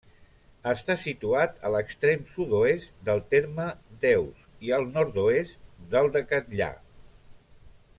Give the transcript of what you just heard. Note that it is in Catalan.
Està situat a l'extrem sud-oest del terme d'Eus i al nord-oest del de Catllà.